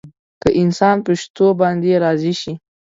که انسان په شتو باندې راضي شي.